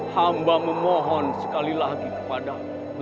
hamba memohon sekali lagi kepada aku